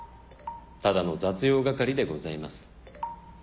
ただの雑用係でございます。